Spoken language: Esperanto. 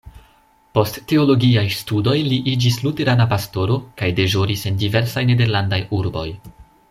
Post teologiaj studoj li iĝis luterana pastoro, kaj deĵoris en diversaj nederlandaj urboj.